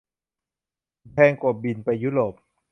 แพงกว่าบิน ไปยุโรป